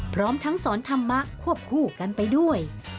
พร้อมทั้งสอนธรรมะควบคู่กันไปด้วย